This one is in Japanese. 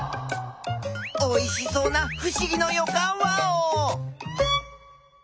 おいしそうなふしぎのよかんワオ！